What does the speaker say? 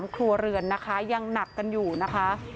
ครัวเรือนนะคะยังหนักกันอยู่นะคะ